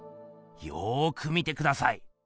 よく見てください。